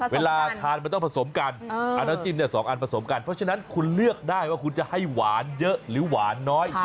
เวลาทานมันต้องผสมกันเอาน้ำจิ้ม๒อันผสมกันเพราะฉะนั้นคุณเลือกได้ว่าคุณจะให้หวานเยอะหรือหวานน้อย